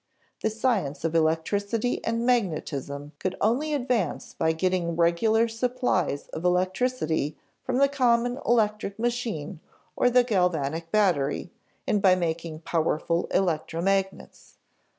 The science of electricity and magnetism could only advance by getting regular supplies of electricity from the common electric machine or the galvanic battery and by making powerful electromagnets.